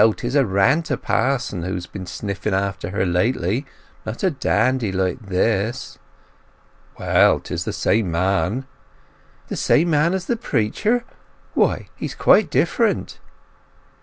'Tis a ranter pa'son who's been sniffing after her lately; not a dandy like this." "Well—this is the same man." "The same man as the preacher? But he's quite different!"